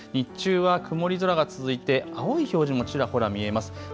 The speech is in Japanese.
日中は曇り空が続いて青い表示もちらほら見えます。